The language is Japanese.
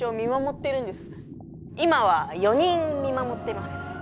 今は４人見守っています。